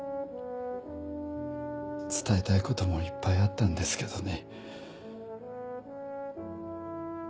伝えたいこともいっぱいあったんですけどね。